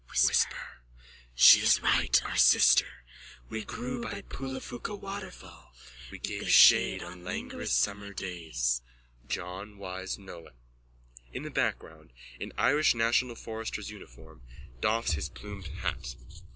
Whisper. She is right, our sister. We grew by Poulaphouca waterfall. We gave shade on languorous summer days. JOHN WYSE NOLAN: _(In the background, in Irish National Forester's uniform, doffs his plumed hat.)